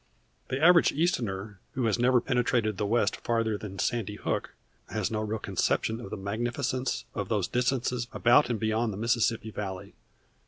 The average Easterner who has never penetrated the West farther than Sandy Hook has no real conception of the magnificence of those distances about and beyond the Mississippi Valley.